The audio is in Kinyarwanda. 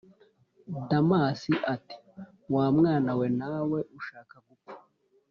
damas ati: wa mwana we nawe ushaka gupfa,